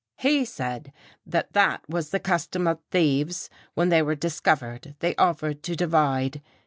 "He said that that was the custom of thieves: when they were discovered, they offered to divide.